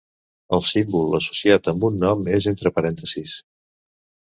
El símbol associat amb un nom és entre parèntesis.